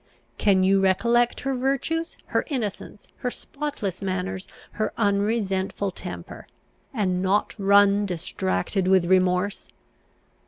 Can you recollect her virtues, her innocence, her spotless manners, her unresentful temper, and not run distracted with remorse?